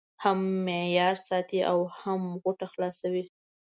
هم معیار ساتي او هم غوټه خلاصوي.